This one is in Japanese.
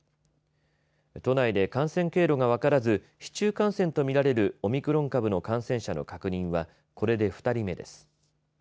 都内で感染経路が分からず市中感染とみられるオミクロン株の感染者の確認はこれで２人目です。